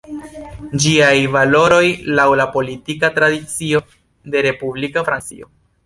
Ĝiaj valoroj, laŭ la politika tradicio de respublika Francio.